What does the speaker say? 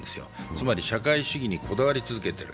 つまり、社会主義にこだわり続けている。